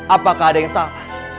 apakah ada yang salah